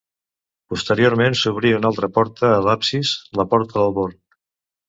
Posteriorment s'obrí una altra porta a l'absis, la porta del Born.